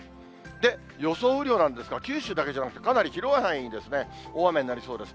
で、予想雨量なんですが、九州だけじゃなくて、かなり広い範囲ですね、大雨になりそうです。